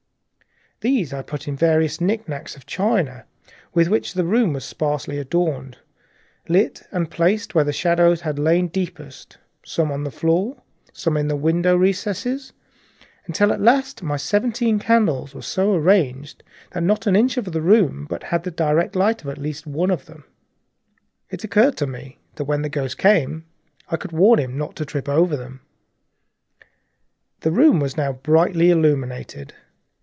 These I put in the various knick knacks of china with which the room was sparsely adorned, and lit and placed them where the shadows had lain deepest, some on the floor, some in the window recesses, arranging and rearranging them until at last my seventeen candles were so placed that not an inch of the room but had the direct light of at least one of them. It occurred to me that when the ghost came I could warn him not to trip over them. The room was now quite brightly illuminated.